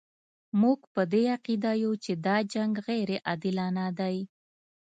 موږ په دې عقیده یو چې دا جنګ غیر عادلانه دی.